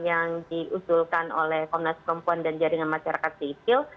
yang diusulkan oleh komnas perempuan dan jaringan masyarakat sipil